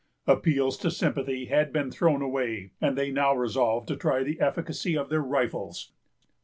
Appeals to sympathy had been thrown away, and they now resolved to try the efficacy of their rifles.